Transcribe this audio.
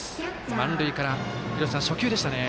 満塁から初球でしたね。